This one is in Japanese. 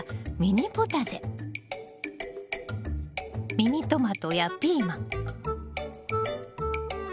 ミニトマトやピーマン小玉